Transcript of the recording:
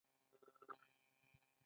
• رښتینی شخص تل صادق ملګري لري.